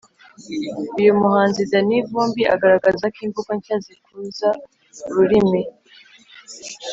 uyu muhanzi danny vumbi agaragaza ko imvugo nshya zikuza ururimi